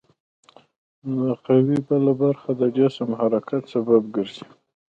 د قوې بله برخه د جسم د حرکت سبب ګرځي.